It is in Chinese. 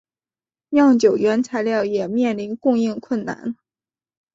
酿酒原材料也面临供应困难。